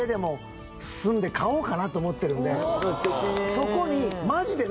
そこに。